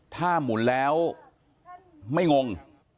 ถ้าหมุนแล้วไม่งง